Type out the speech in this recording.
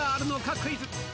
クイズ。